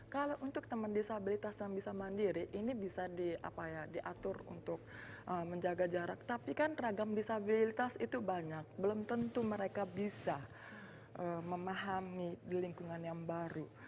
kalau untuk teman disabilitas yang bisa mandiri ini bisa diatur untuk menjaga jarak tapi kan ragam disabilitas itu banyak belum tentu mereka bisa memahami di lingkungan yang baru